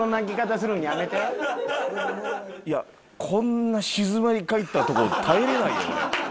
いやこんな静まり返った所耐えれないよ俺。